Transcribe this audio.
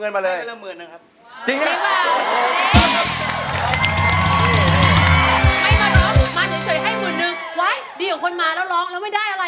ไม่มาน้อยออกมาเฉยให้หมื่นนึงดีกว่าคนมาเราร้องแล้วไม่ได้อะไร